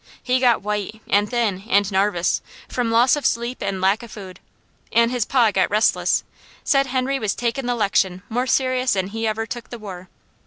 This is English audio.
He got white, an' thin, an' narvous, from loss of sleep an' lack of food, an' his pa got restless, said Henry was takin' the 'lection more serious 'an he ever took the war.